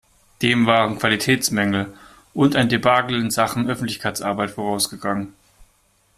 Dem waren Qualitätsmängel und ein Debakel in Sachen Öffentlichkeitsarbeit vorausgegangen.